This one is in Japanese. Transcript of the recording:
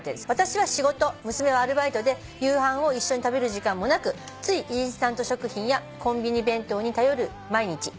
「私は仕事娘はアルバイトで夕飯を一緒に食べる時間もなくついインスタント食品やコンビニ弁当に頼る毎日」